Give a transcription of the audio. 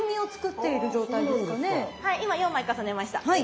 はい今４枚重ねました。